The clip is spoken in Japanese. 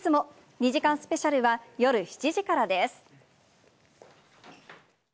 ２時間スペシャルは夜７時からです。